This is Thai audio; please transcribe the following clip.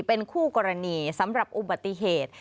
เป็นคู่กรณีสำหรับอุบัติเหตุ